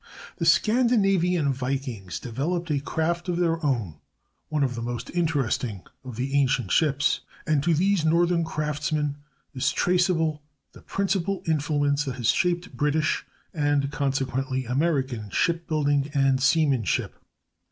The Scandinavian vikings developed a craft of their own, one of the most interesting of the ancient ships; and to these northern craftsmen is traceable the principal influence that has shaped British (and consequently American) ship building and seamanship.